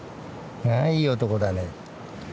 ああいい男だね。